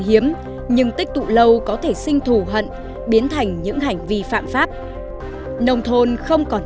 hiếm nhưng tích tụ lâu có thể sinh thù hận biến thành những hành vi phạm pháp nông thôn không còn